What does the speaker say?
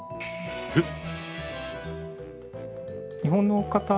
えっ？